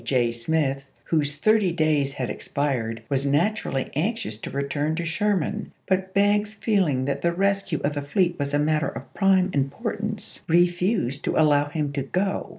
J. Smith, whose thirty days had expired, was naturally anxious to return to Sherman, but Banks feeling that the res cue of the fleet was a matter of prime importance, refused to allow him to go.